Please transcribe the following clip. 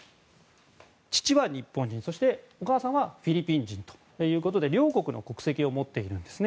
父は日本人そしてお母さんはフィリピン人ということで両国の国籍を持っているんですね。